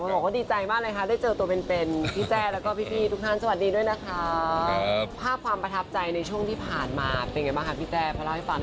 ตอนที่เราเจอแผนเพลงที่มากรีดกราศเราได้ไหมครับ